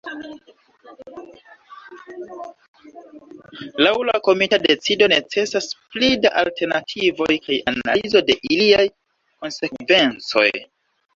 Laŭ la komita decido necesas pli da alternativoj kaj analizo de iliaj konsekvencoj.